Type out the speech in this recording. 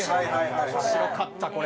面白かったこれ。